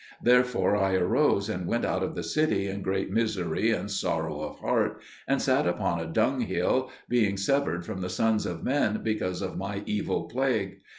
Therefore I arose and went out of the city in great misery and sorrow of heart, and sat upon a dunghill, being severed from the sons of men because of my evil plague.